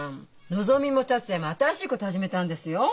のぞみも達也も新しいこと始めたんですよ。